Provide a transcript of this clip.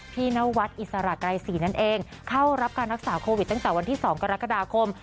นวัดอิสระไกรศรีนั่นเองเข้ารับการรักษาโควิดตั้งแต่วันที่๒กรกฎาคม